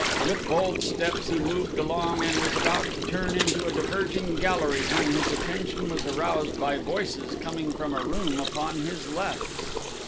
With bold steps he moved along and was about to turn into a diverging gallery when his attention was aroused by voices coming from a room upon his left.